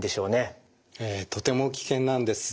ええとても危険なんです。